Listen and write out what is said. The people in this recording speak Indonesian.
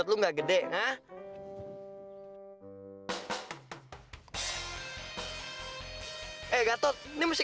tunggu bron karena mobilnya minum